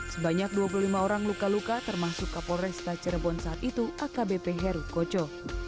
sebanyak dua puluh lima orang luka luka termasuk kapolresta cirebon saat itu akbp heru koco